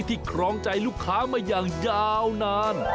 ครองใจลูกค้ามาอย่างยาวนาน